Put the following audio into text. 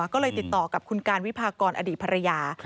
ก็เลยติดต่อกับคุณการวิพากรอดีตภรรยา